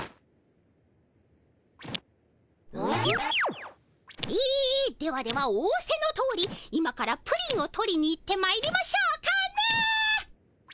ん？えではではおおせのとおり今からプリンを取りに行ってまいりましょうかねえ。